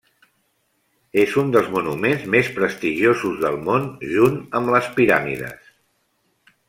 És un dels monuments més prestigiosos del món junt amb les piràmides.